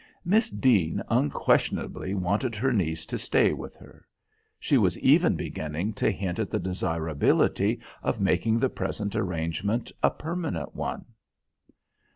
Miss Deane unquestionably wanted her niece to stay with her. She was even beginning to hint at the desirability of making the present arrangement a permanent one.